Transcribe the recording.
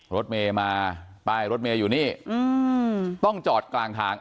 รถเมย์มาป้ายรถเมย์อยู่นี่ต้องจอดกลางทาง